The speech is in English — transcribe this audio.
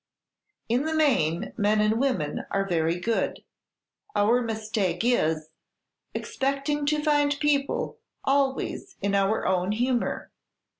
In the main, men and women are very good; our mistake is, expecting to find people always in our own humor.